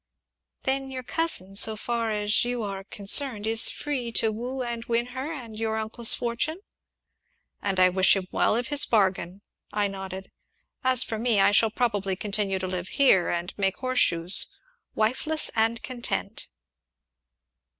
"Then your cousin, so far as you are concerned, is free to woo and win her and your uncle's fortune?" "And I wish him well of his bargain!" I nodded. "As for me, I shall probably continue to live here, and make horseshoes wifeless and content."